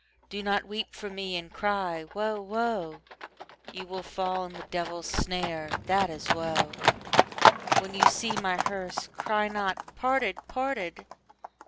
Do not weep for me and cry "Woe, woe!" You will fall in the devil's snare: that is woe. When you see my hearse, cry not "Parted, parted!"